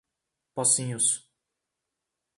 Pocinhos